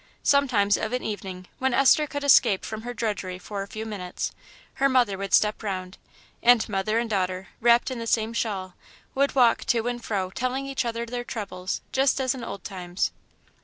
Sometimes of an evening, when Esther could escape from her drudgery for a few minutes, her mother would step round, and mother and daughter, wrapped in the same shawl, would walk to and fro telling each other their troubles, just as in old times.